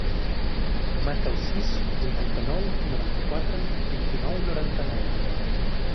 Marca el sis, vuitanta-nou, noranta-quatre, vint-i-nou, noranta-nou.